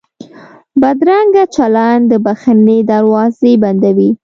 بدرنګه چلند د بښنې دروازې بندوي